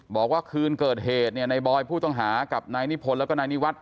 บอกว่าคืนเกิดเหตุเนี่ยในบอยผู้ต้องหากับนายนิพนธ์แล้วก็นายนิวัฒ